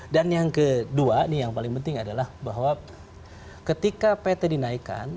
dan yang kedua nih yang paling penting adalah bahwa ketika pt dinaikkan